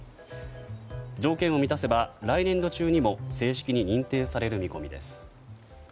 条件を満たせば、来年度中にも正式に認定される見込みです。